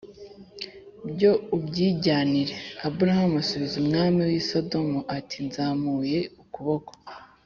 Byo ubyijyanire aburamu asubiza umwami w i sodomu ati nzamuye ukuboko